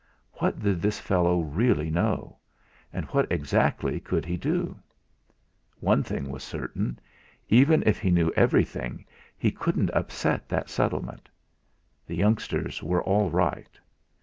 What did this fellow really know? And what exactly could he do? One thing was certain; even if he knew everything, he couldn't upset that settlement. The youngsters were all right.